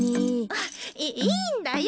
あっいいいんだよ。